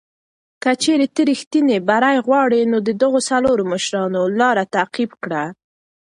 که چېرې ته ریښتینی بری غواړې، نو د دغو څلورو مشرانو لاره تعقیب کړه.